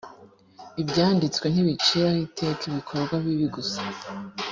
ibyanditswe ntibiciraho iteka ibikorwa bibi gusa